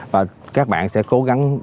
và các bạn sẽ cố gắng